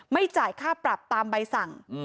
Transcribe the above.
จ่ายค่าปรับตามใบสั่ง